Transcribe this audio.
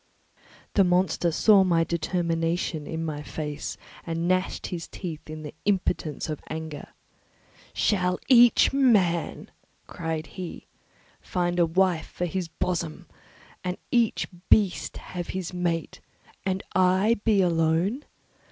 The monster saw my determination in my face and gnashed his teeth in the impotence of anger. "Shall each man," cried he, "find a wife for his bosom, and each beast have his mate, and I be alone?